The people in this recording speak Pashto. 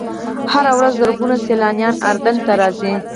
هره ورځ زرګونه سیلانیان اردن ته راځي.